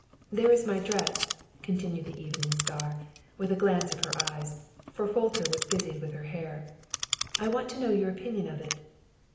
"There is my dress," continued the Evening Star, with a glance of her eyes, for Folter was busied with her hair; "I want to know your opinion of it."